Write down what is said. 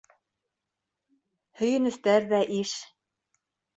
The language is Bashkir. Һөйөнөстәр ҙә иш.